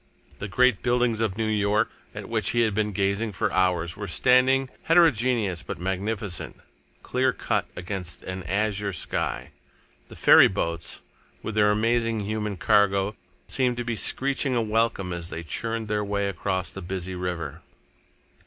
The great buildings of New York, at which he had been gazing for hours, were standing, heterogeneous but magnificent, clear cut against an azure sky. The ferry boats, with their amazing human cargo, seemed to be screeching a welcome as they churned their way across the busy river.